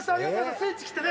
スイッチ切ってね。